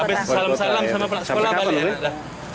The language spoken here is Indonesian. habis salam salam sama sekolah balik